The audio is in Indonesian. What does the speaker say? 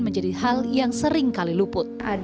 menjadi hal yang sering kali luput